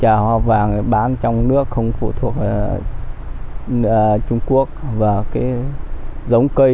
trà hoa vàng bán trong nước không phụ thuộc trung quốc giống cây